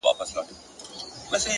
د حقیقت اورېدل د ودې پیل دی،